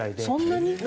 そんなに？